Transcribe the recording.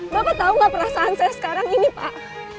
bapak tau gak perasaan saya sekarang ini pak